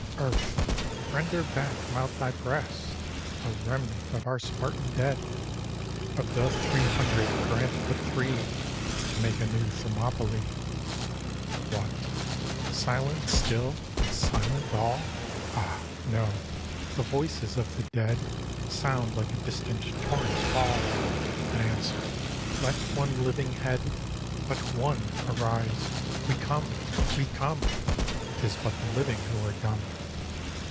Earth! render back from out thy breast A remnant of our Spartan dead ! Of the three hundred grant but three, To make a new Thermopylae. What, silent still, and silent all ? Ah! no; the voices of the dead Sound like a distant torrent's fall. And answer, "Let one living head. But one arise, — we come, we come!" 'T is but the living who are dumb.